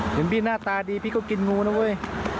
เห็นพี่หน้าตาดีพี่ก็กินงูนะเว้ย